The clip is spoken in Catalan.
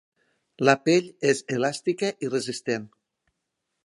La pell és elàstica i resistent.